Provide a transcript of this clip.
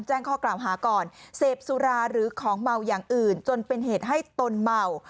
แจ้งข้อกล่าวหาก่อนเสพสุราหรือของเมาอย่างอื่นจนเป็นเหตุให้ตนเมา